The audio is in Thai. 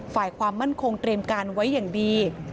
ฝ่ายความมั่นคงเตรียมการไว้อย่างดี